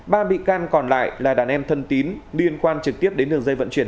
ba bị can còn lại là đàn em thân tín liên quan trực tiếp đến đường dây vận chuyển